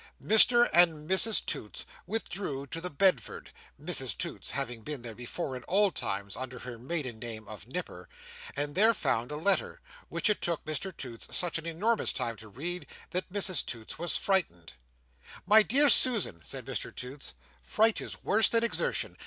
Mr and Mrs Toots withdrew to the Bedford (Mrs Toots had been there before in old times, under her maiden name of Nipper), and there found a letter, which it took Mr Toots such an enormous time to read, that Mrs Toots was frightened. "My dear Susan," said Mr Toots, "fright is worse than exertion.